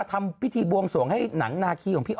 หมอนานหล่อ